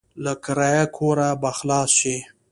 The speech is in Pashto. له کرايه کوره به خلاص شې.